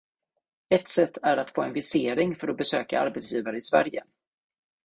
Ett sätt är att få en visering för att besöka arbetsgivare i Sverige.